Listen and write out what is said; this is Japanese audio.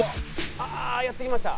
ああーやって来ました。